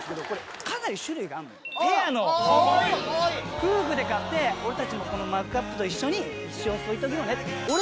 ・夫婦で買って俺たちもこのマグカップと一緒に一生添い遂げようね。